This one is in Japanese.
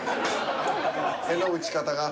手の打ち方が。